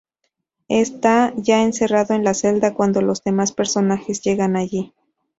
Está ya encerrado en la celda cuando los demás personajes llegan allí.